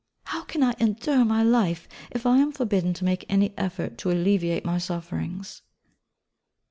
How can I endure my life, if I am forbidden to make any effort to alleviate my sufferings?